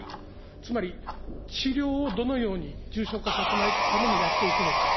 つまり、治療をどのように重症化させないためにやっていくのか。